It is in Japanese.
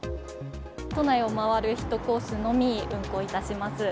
都内を回る１コースのみ運行いたします。